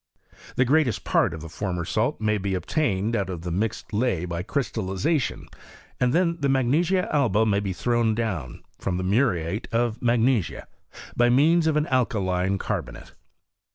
The greatest part of the f<Hiner salt may be obtained out of the mixed ley by crystallization, and then the magnesia alba may be thrown down, from the muriate of magnesia, by means of an alkaline carbonate.